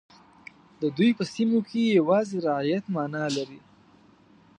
د دوی په سیمو کې یوازې رعیت معنا لري.